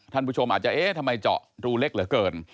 ท่านผู้ชมอาจจะเอ๊ะทำไมเจาะรูเล็กเหลือเกิน